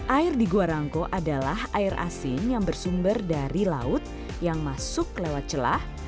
air di gua rangko adalah air asin yang bersumber dari laut yang masuk lewat celah